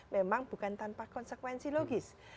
memang bukan tanpa konsekuensi logis